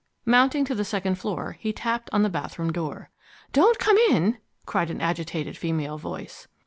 Mounting to the second floor he tapped on the bathroom door. "Don't come in!" cried an agitated female voice.